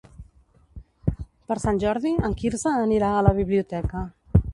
Per Sant Jordi en Quirze anirà a la biblioteca.